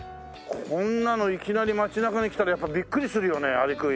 こんなのいきなり街中に来たらやっぱビックリするよねアリクイ。